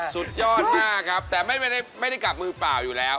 สุดยอดมากครับแต่ไม่ได้กลับมือเปล่าอยู่แล้ว